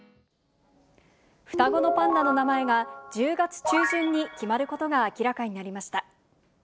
双子のパンダの名前が、１０月中旬に決まることが明らかになりました。